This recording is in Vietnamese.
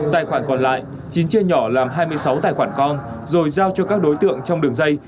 tài khoản còn lại chín chia nhỏ làm hai mươi sáu tài khoản con rồi giao cho các đối tượng trong đường dây